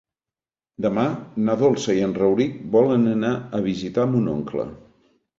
Demà na Dolça i en Rauric volen anar a visitar mon oncle.